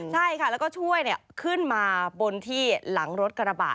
ใช่ค่ะแล้วก็ช่วยขึ้นมาบนที่หลังรถกระบะ